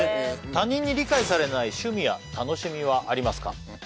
他人に理解されない趣味や楽しみはありますか？